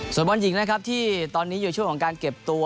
สวนบรรยี่หญิงที่ตอนนี้อยู่ช่วงของการเก็บตัว